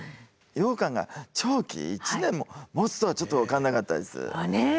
ようかんが長期１年ももつとはちょっと分かんなかったです。